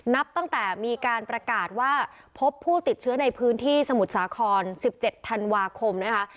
นับตั้งแต่มีการประกาศว่าพบผู้ติดเชื้อในพื้นที่สมุทรสาคร๑๗ธันวาคมนะคะ